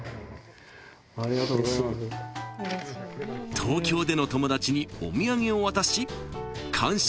［東京での友達にお土産を渡し感謝